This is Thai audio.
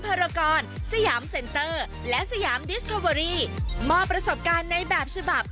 ไปครับ